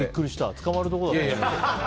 捕まるところだった。